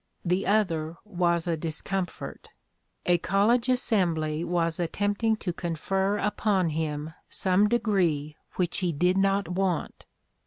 The other was a discomfort: a college assembly was attempting to confer upon him some degree which he did not want.